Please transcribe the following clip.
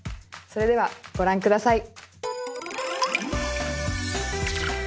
それではご覧下さい。